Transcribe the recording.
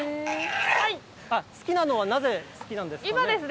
好きなのは、なぜ好きなんですかね？